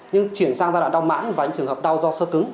nhưng chuyển sang giai đoạn đau mãng và những trường hợp đau do sơ cứng